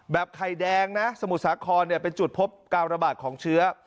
ไข่แดงนะสมุทรสาครเป็นจุดพบการระบาดของเชื้อ